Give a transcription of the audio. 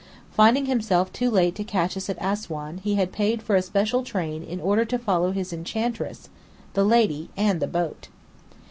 Finding himself too late to catch us at Assuan, he had paid for a special train in order to follow his "Enchantress" (the lady and the boat).